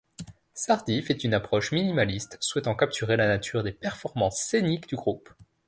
Sardy fait une approche minimaliste, souhaitant capturer la nature des performances scéniques du groupe.